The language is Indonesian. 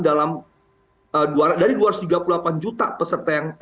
dari dua ratus tiga puluh delapan juta peserta yang